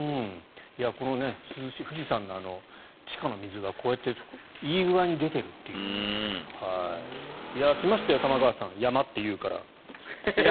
この涼しさ富士山の地下の水がこうやっていいぐあいに出ているっていう。来ましたよ、玉川さん山と言うから。